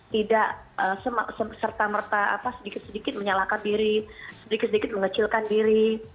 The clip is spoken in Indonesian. tidak serta merta sedikit sedikit menyalakan diri sedikit sedikit mengecilkan diri